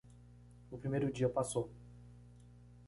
O primeiro dia passou.